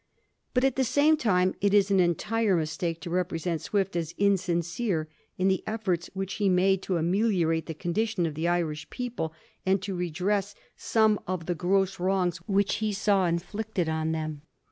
But at the same time it is an entire mistake to represent Swift as insincere in the efforts which he made to amehorate the condition of the Irish people, and to redress some of the gross wrongs which he saw inflicted on them.